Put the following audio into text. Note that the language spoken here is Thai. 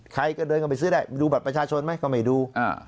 ใครก็เดินกันไปซื้อได้ดูบัตรประชาชนไหมก็ไม่ดู